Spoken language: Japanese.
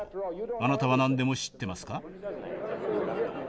あなたは何でも知ってますか？」。